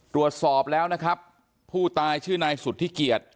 ตรวจสอบแล้วนะครับผู้ตายชื่อนายสุธิเกียจ